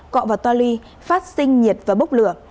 cọ và toa ly phát sinh nhiệt và bốc lửa